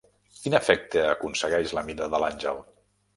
Quin efecte aconsegueix la mida de l'àngel?